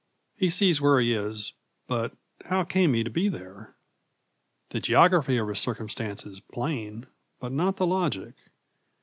He sees where he is, but how came he to be there? The geography of his circumstance is plain, but not the logic.